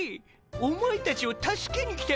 お前たちを助けに来たんじゃ。